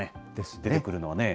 出てくるのはね。